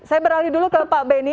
saya beralih dulu ke pak beni